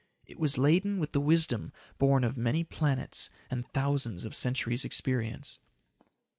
It was laden with the wisdom born of many planets and thousands of centuries' experience.